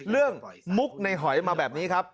มุกในหอยมาแบบนี้ครับ